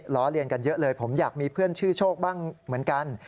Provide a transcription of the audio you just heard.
ล้อเลียนกันเยอะเลยผมอยากมีเพื่อนชื่อโชคบ้างเหมือนกัน